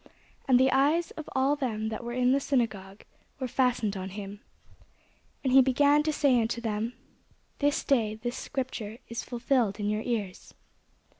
And the eyes of all them that were in the synagogue were fastened on him. And he began to say unto them, This day is this scripture fulfilled in your ears.